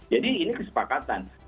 jadi ini kesepakatan